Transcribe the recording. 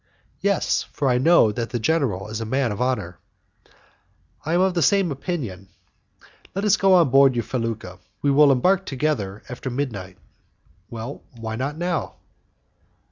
"Yes, for I know that the general is a man of honour." "I am of the same opinion. Well, let us go on board your felucca. We will embark together after midnight." "Why not now?"